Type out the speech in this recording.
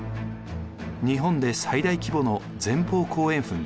日本で最大規模の前方後円墳です。